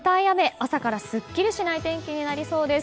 朝から、すっきりしない天気になりそうです。